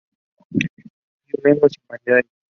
Estudió lenguas y humanidades.